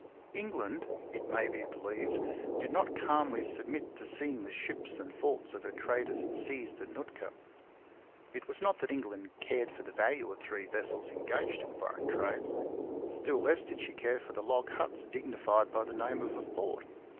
England, it may be believed, did not calmly submit to seeing the ships and forts of her traders seized at Nootka. It was not that England cared for the value of three vessels engaged in foreign trade. Still less did she care for the log huts dignified by the name of a fort.